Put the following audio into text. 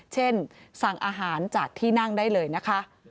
สั่งอาหารจากที่นั่งได้เลยนะคะ